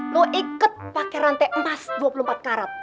lu iket pake rantai emas dua puluh empat karat